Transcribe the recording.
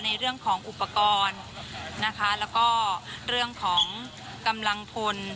ในเรื่องของอุปกรณ์นะคะแล้วก็เรื่องของกำลังพล